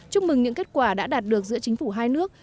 chúc mừng những kết quả đã đạt được giữa chính phủ hai nước